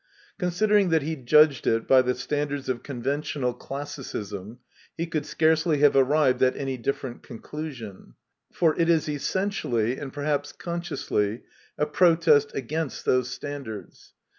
Con sidering that he judged it by the standards of con ventional classicism, he could scarcely have arrived at any different conclusion. For it is essentially, and perhaps consciously, a protest against those standards.